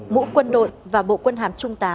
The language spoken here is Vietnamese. mũ quân đội và bộ quân hàm trung tá